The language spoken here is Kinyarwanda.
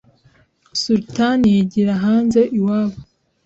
Sultan yigira hanze iwabo